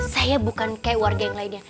saya bukan kayak warga yang lainnya